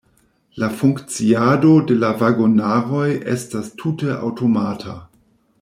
La funkciado de la vagonaroj estas tute aŭtomata.